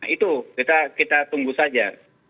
itu kita tunggu saja